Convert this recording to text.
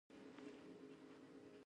ترڅو يې خپل عملونه ور وښودل شي